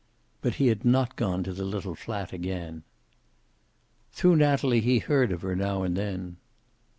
But he had not gone to the little fiat again. Through Natalie he heard of her now and then.